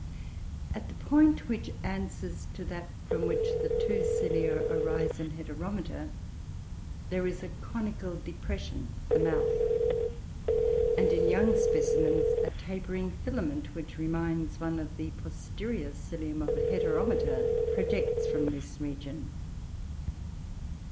At the point which answers to that from which the two cilia arise in Heteromita, there is a conical depression, the mouth; and, in young specimens, a tapering filament, which reminds one of the posterior cilium of Heteromita, projects from this region.